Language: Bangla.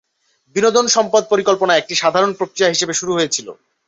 বিনোদন সম্পদ পরিকল্পনা একটি সাধারণ প্রক্রিয়া হিসেবে শুরু হয়েছিল।